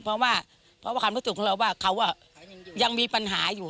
เพราะว่าเพราะความรู้สึกของเราว่าเขายังมีปัญหาอยู่